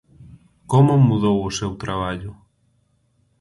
Como mudou o seu traballo?